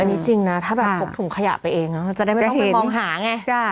อันนี้จริงนะถ้าแบบพกถุงขยะไปเองจะได้ไม่ต้องไปมองหาไง